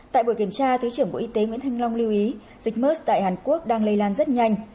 tại buổi kiểm tra thứ trưởng bộ y tế nguyễn thanh long lưu ý dịch mers tại hàn quốc đang lây lan rất nhanh